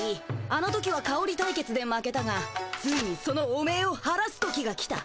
あの時はかおり対決で負けたがついにそのおめいを晴らす時が来た。